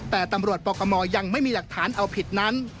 แต่ตำรวจปคมยังไม่มีหลักฐานเอาผิดนั้น